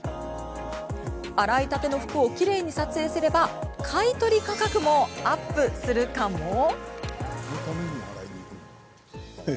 洗いたての服をきれいに撮影すれば買い取り価格もアップするかも？